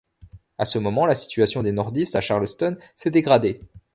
À ce moment la situation des Nordistes à Charleston s'est dégradée.